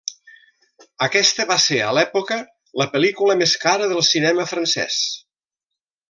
Aquesta va ser, a l'època, la pel·lícula més cara del cinema francès.